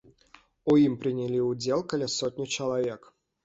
У ім прынялі ўдзел каля сотні чалавек.